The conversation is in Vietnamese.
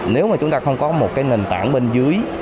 nếu mà chúng ta không có một cái nền tảng bên dưới